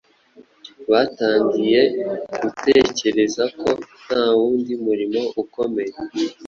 batangiye gutekereza ko nta wundi murimo ukomeye